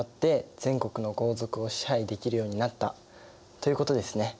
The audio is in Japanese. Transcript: ということですね。